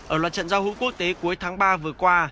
ở loạt trận giao hữu quốc tế cuối tháng ba vừa qua